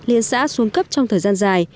liên xã xuống cấp trong thời gian dài